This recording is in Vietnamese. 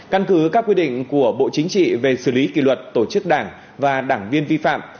căn cứ các quy định của bộ chính trị về xử lý kỷ luật tổ chức đảng và đảng viên vi phạm